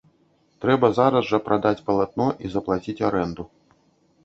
Трэба зараз жа прадаць палатно і заплаціць арэнду.